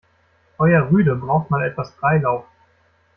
Euer Rüde braucht mal etwas Freilauf.